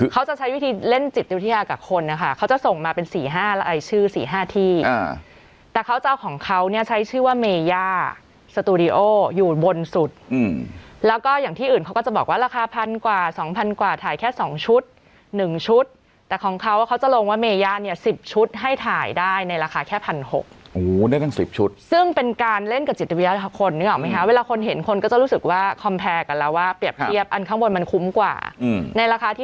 เขาจะใช้วิธีเล่นจิตวิทยากับคนนะคะเขาจะส่งมาเป็นสี่ห้ารายชื่อสี่ห้าที่อ่าแต่เขาจะเอาของเขาเนี้ยใช้ชื่อว่าเมยาสตูดิโออยู่บนสุดอืมแล้วก็อย่างที่อื่นเขาก็จะบอกว่าราคาพันกว่าสองพันกว่าถ่ายแค่สองชุดหนึ่งชุดแต่ของเขาว่าเขาจะลงว่าเมยาเนี้ยสิบชุดให้ถ่ายได้ในราคาแค่พันหกโอ้โหได้กันสิ